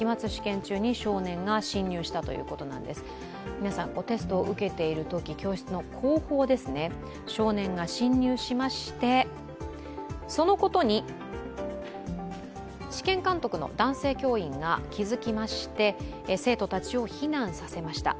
皆さんテストを受けているとき、教室の後方ですね、少年が侵入しまして、そのことに試験監督の男性教員が気付きまして生徒たちを避難させました